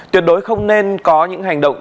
tuyệt đối không nên có những hành động